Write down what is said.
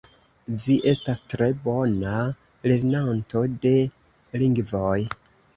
Vi estas tre bona lernanto de lingvoj